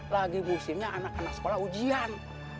lagi musimnya anak anak sekolah ujian